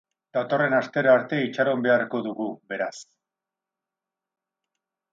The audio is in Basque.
Datorren astera arte itxaron beharko dugu, beraz.